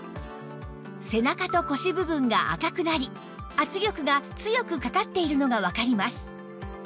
背中と腰部分が赤くなり圧力が強くかかっているのがわかります